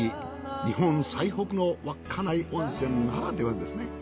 日本最北の稚内温泉ならではですね。